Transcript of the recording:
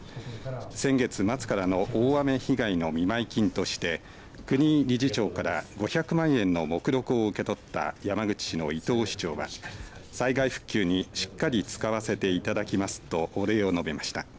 先月末からの大雨被害の見舞い金として国井理事長から５００万円の目録を受け取った山口市の伊藤市長は災害復旧にしっかり使わせていただきますとお礼を述べました。